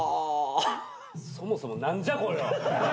そもそも何じゃこれは。